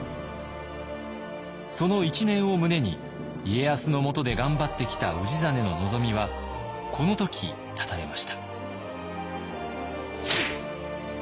その一念を胸に家康のもとで頑張ってきた氏真の望みはこの時絶たれました。